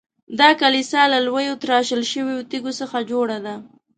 دا کلیسا له لویو تراشل شویو تیږو څخه جوړه ده.